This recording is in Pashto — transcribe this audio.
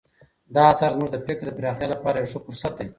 دا اثر زموږ د فکر د پراختیا لپاره یو ښه فرصت دی.